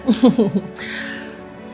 disini saya atur